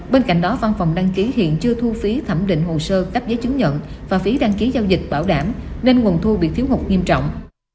bên cạnh đó văn phòng đăng ký hiện chưa thu phí thẩm định hồ sơ cấp giấy chứng nhận và phí đăng ký giao dịch bảo đảm nên nguồn thu bị thiếu hụt nghiêm trọng